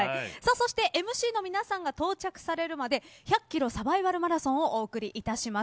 そしてＭＣの皆さんが到着されるまで１００ｋｍサバイバルマラソンをお送りします。